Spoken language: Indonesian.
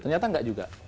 ternyata tidak juga